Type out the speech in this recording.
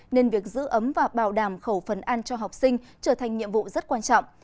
nên việc giữ ấm và bảo đảm khẩu phần ăn cho học sinh trở thành nhiệm vụ rất quan trọng